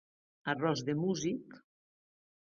Arròs de músic.